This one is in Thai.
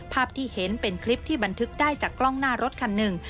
ภาพที่เห็นเป็นคลิปที่บันทึกได้จากกล้องหน้ารถคันหนึ่ง